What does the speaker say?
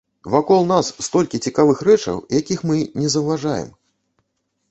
Вакол нас столькі цікавых рэчаў, якіх мы не заўважаем!